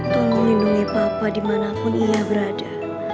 tolong lindungi papa dimanapun ia berada